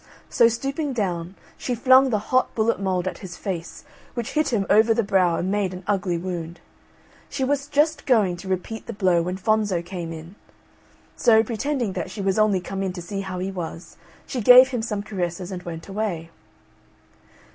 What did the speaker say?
So stooping down, she flung the hot bullet mould at his face, which hit him over the brow and made an ugly wound. She was just going to repeat the blow when Fonzo came in; so, pretending that she was only come in to see how he was, she gave him some caresses and went away.